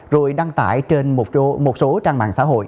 rồi đăng tải trên một số trang mạng xã hội